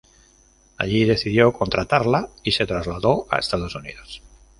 Allí decidieron contratarla y se trasladó a Estados Unidos.